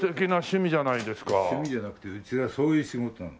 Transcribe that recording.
趣味じゃなくてうちはそういう仕事なの。